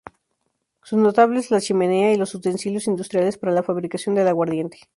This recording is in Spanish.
Son notables la chimenea y los utensilios industriales para la fabricación del aguardiente.